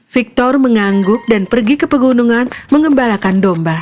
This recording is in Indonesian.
victor mengangguk dan pergi ke pegunungan mengembalakan domba